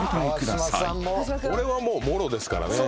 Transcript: これはもうもろですからね。